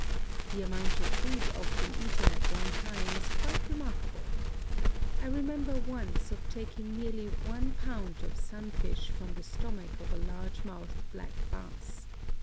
The amount of food often eaten at one time is quite remarkable. I remember once of taking nearly one pound of sunfish from the stomach of a Large mouthed Black Bass.